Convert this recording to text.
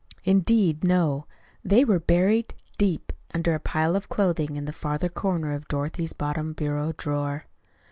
Indeed, no. They were buried deep under a pile of clothing in the farther corner of Dorothy's bottom bureau drawer.